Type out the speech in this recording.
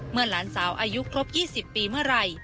หลานสาวอายุครบ๒๐ปีเมื่อไหร่